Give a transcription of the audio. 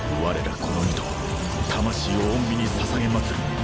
この身と魂を御身にささげまつる。